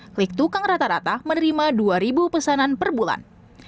klik tukang rata rata menerima dua ribu pesanan per bulan